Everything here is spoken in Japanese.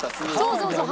そうそうそう！